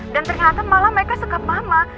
dan ternyata malah mereka sengkap mama